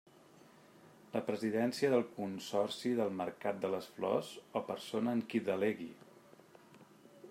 La Presidència del Consorci del Mercat de les Flors, o persona en qui delegui.